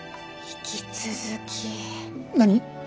何？